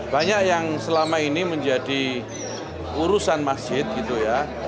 banyak yang selama ini menjadi urusan masjid gitu ya